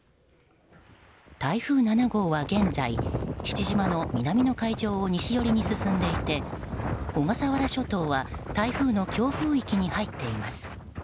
台風７号は現在父島の南の海上を西寄りに進んでいて小笠原諸島は台風の強風域に入っています。